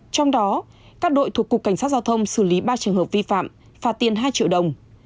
trong đó các đội thuộc cục cảnh sát giao thông xử lý ba trường hợp vi phạm phạt tiền hai triệu đồng